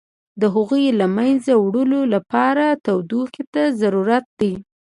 د هغوی له منځه وړلو لپاره تودوخې ته ضرورت دی.